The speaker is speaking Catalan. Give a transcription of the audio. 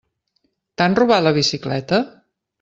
T'han robat la bicicleta?